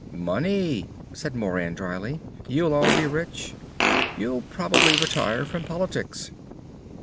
"Money," said Moran drily. "You'll all be rich. You'll probably retire from politics."